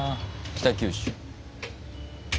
北九州。